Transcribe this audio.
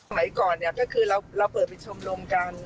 หมายก่อนก็คือเราเปิดไปชมรมกัน